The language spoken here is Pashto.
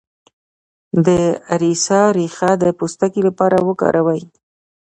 د اریسا ریښه د پوستکي لپاره وکاروئ